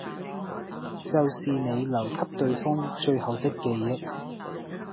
就是你留給對方最後的記憶